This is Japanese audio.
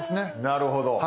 なるほど。